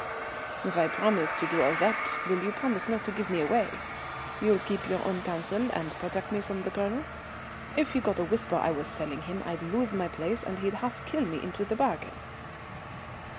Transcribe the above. "If I promise to do all that will you promise not to give me away? You'll keep your own counsel and protect me from the Colonel? If he got a whisper I was selling him I'd lose my place and he'd half kill me into the bargain."